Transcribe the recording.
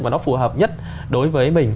và nó phù hợp nhất đối với mình